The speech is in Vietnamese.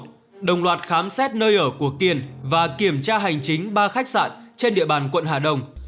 một mươi hai tháng một đồng loạt khám xét nơi ở của kiên và kiểm tra hành chính ba khách sạn trên địa bàn quận hà đông